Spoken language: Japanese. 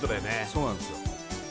そうなんですよ